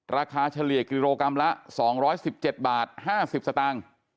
เฉลี่ยกิโลกรัมละ๒๑๗บาท๕๐สตางค์